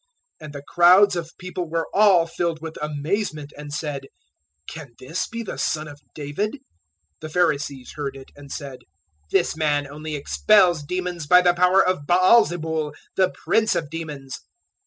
012:023 And the crowds of people were all filled with amazement and said, "Can this be the Son of David?" 012:024 The Pharisees heard it and said, "This man only expels demons by the power of Baal zebul, the Prince of demons."